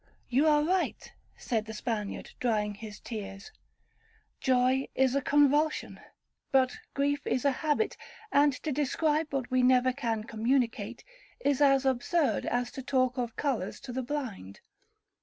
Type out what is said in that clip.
'You are right,' said the Spaniard, drying his tears, 'joy is a convulsion, but grief is a habit, and to describe what we never can communicate, is as absurd as to talk of colours to the blind.